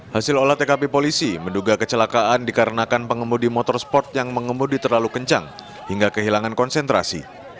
hasil olah tkp polisi menduga kecelakaan dikarenakan pengemudi motorsport yang mengemudi terlalu kencang hingga kehilangan konsentrasi